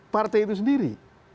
partai itu sendiri